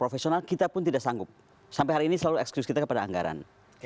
profesional kita pun tidak sanggup sampai hari ini selalu eksklusif kita kepada anggaran